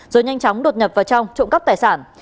rồi nhanh chóng đột nhập vào trong trộm cắp tài sản